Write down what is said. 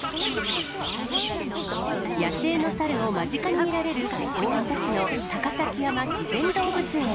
野生のサルを間近に見られる、大分市の高崎山自然動物園。